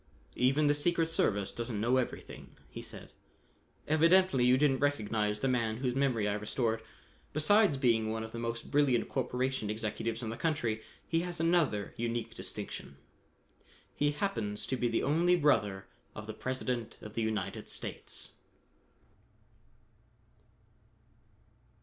"Even the secret service doesn't know everything," he said. "Evidently you didn't recognize the man whose memory I restored. Besides being one of the most brilliant corporation executives in the country, he has another unique distinction. He happens to be the only brother of the President of the United States."